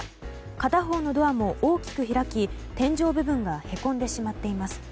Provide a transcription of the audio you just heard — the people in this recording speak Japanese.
片方のドアも大きく開き天井部分がへこんでしまっています。